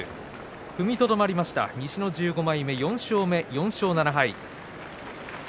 踏みとどまりました西の１５枚目、４勝７敗。